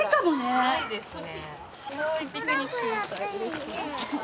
ないですね。